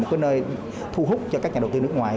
một cái nơi thu hút cho các nhà đầu tư nước ngoài